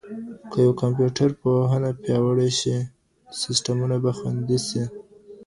که کمپيوټر پوهنه پیاوړې شي، سیسټمونه به خوندي شي.